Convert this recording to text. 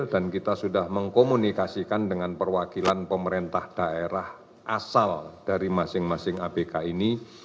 dan kita sudah mengkomunikasikan dengan perwakilan pemerintah daerah asal dari masing masing abk ini